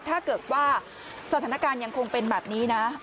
ถ้าเกิดว่าสถานการณ์ยังคงเป็นแบบนี้นะ